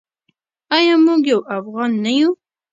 آیا موږ یو افغان نه یو؟